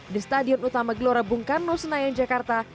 di stadion utama gelora bung karno senayan jakarta